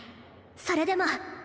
それでも。